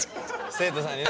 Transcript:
生徒さんにね。